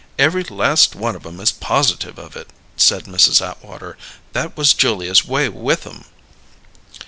"Every last one of 'em is positive of it," said Mrs. Atwater. "That was Julia's way with 'em!"